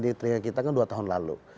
di tengah kita kan dua tahun lalu